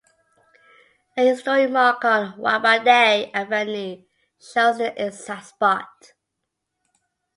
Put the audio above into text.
A historic marker on Wabaday Avenue shows the exact spot.